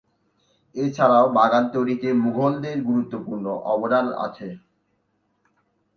এছাড়াও বাগান তৈরিতে মুঘলদের গুরুত্বপূর্ণ অবদান আছে।